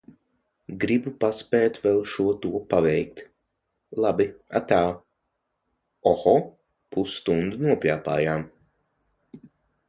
Gribu paspēt vēl šo to paveikt, labi atā! Oho, pusstundu nopļāpājām.